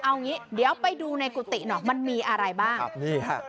เอางี้เดี๋ยวไปดูในกุฏิหน่อยมันมีอะไรบ้างครับนี่ฮะ